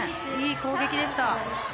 いい攻撃でした。